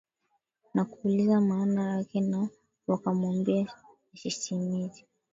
na kuuliza maana yake na wakamwambia ni sisimizi